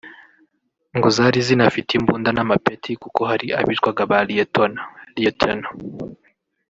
ngo zari zinafite imbunda n’amapeti kuko hari abitwaga ba Liyetona (Lieutenant)